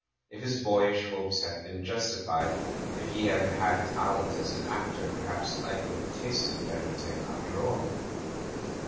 If his boyish hopes had been justified, if he had had talent as an actor, perhaps hfe would have tasted better to him, after all?